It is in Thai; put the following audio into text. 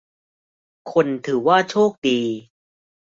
คนถือว่าโชคดี